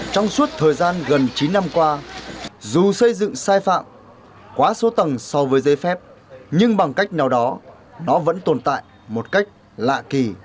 trong suốt thời gian gần chín năm qua dù xây dựng sai phạm quá số tầng so với giấy phép nhưng bằng cách nào đó nó vẫn tồn tại một cách lạ kỳ